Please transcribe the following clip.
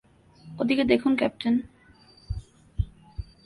ওদিকে দেখুন ক্যাপ্টেন।